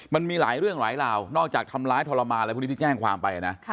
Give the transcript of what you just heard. มันมีหลายเรื่องหลายราวนอกจากทำร้ายทรมานอะไรพวกนี้ที่แจ้งความไปนะ